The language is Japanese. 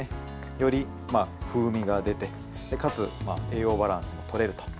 より風味が出てかつ栄養バランスも取れると。